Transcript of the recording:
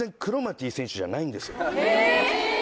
え！